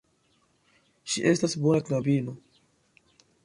Ŝi estas bona knabino.